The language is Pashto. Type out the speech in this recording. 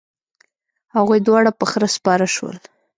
هغوی دواړه په خره سپاره شول.